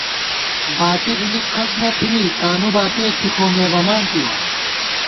باتی ہِلِک کھڅ نہ تھنی تانُو باتِیَہ ݪی خومےبمان تِوَہ